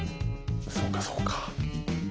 そうかそうか。